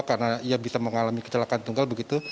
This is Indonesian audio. karena ia bisa mengalami kecelakaan tunggal begitu